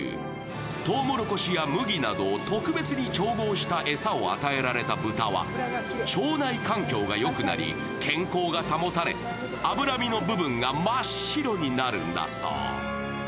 とうもろこしや麦など特別に調合した餌を与えられた豚は、腸内環境がよくなり、健康が保たれ脂身の部分が真っ白になるんだそう。